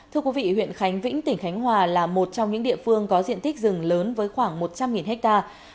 thưa quý vị huyện khánh vĩnh tỉnh khánh hòa là một trong những địa phương có diện tích rừng lớn với khoảng một trăm linh hectare